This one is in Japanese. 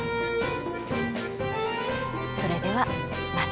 それではまた。